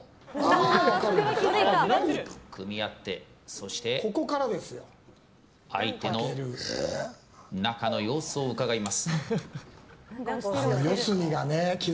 組み合って、そして相手の中の様子をうかがいます。